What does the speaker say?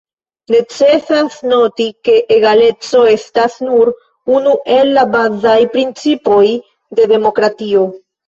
Necesas noti, ke egaleco estas nur unu el la bazaj principoj de demokratio.